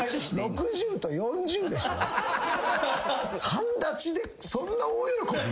半立でそんな大喜び？